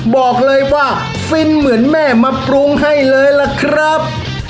บอกเลยว่าฟินเหมือนแม่มาปรุงให้เลยล่ะครับ